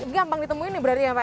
gampang ditemuin nih pak